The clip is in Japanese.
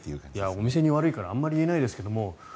お店に悪いからあんまり言えないですけど。